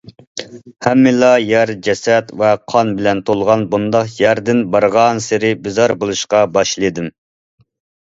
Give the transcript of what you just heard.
ھەممىلا يەر جەسەت ۋە قان بىلەن تولغان بۇنداق يەردىن بارغانسېرى بىزار بولۇشقا باشلىدىم.